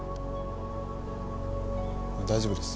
大丈夫です。